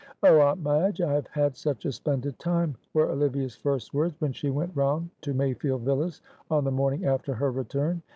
"Oh, Aunt Madge, I have had such a splendid time," were Olivia's first words when she went round to Mayfield Villas on the morning after her return.